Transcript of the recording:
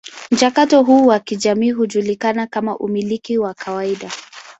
Mchakato huu wa kijamii hujulikana kama umiliki wa kawaida.